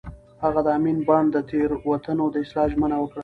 هغه د امین بانډ د تېروتنو د اصلاح ژمنه وکړه.